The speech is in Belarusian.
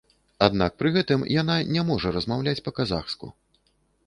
Аднак пры гэтым яна не можа размаўляць па-казахску.